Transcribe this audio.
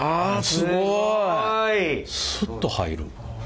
スッと入る。